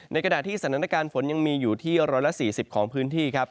ในกระดาษที่สถานการณ์ฝนยังมีอยู่ที่๑๔๐ของพื้นที่